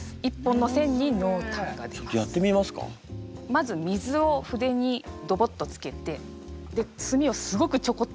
まず水を筆にドボッとつけてで墨をすごくちょこっとだけ。